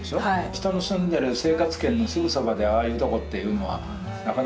人の住んでる生活圏のすぐそばでああいうとこっていうのはなかなかないんですね。